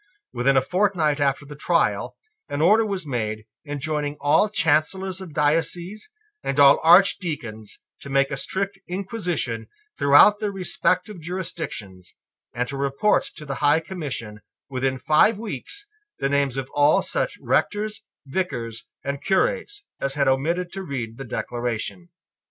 Within a fortnight after the trial an order was made, enjoining all Chancellors of dioceses and all Archdeacons to make a strict inquisition throughout their respective jurisdictions, and to report to the High Commission, within five weeks, the names of all such rectors, vicars, and curates as had omitted to read the Declaration.